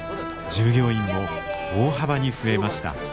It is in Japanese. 従業員も大幅に増えました。